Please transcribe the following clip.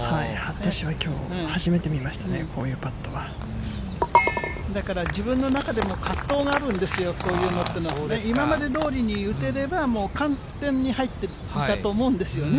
私はきょう、初めて見ましたね、だから自分の中でも葛藤があるんですよ、こういうのっていうのはね、今までどおりに打てれば、もう完全に入っていたと思うんですよね。